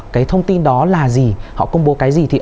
cái thông tin đó là gì họ công bố cái gì